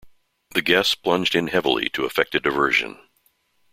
The guest plunged in heavily to effect a diversion.